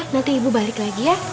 nanti ibu balik lagi ya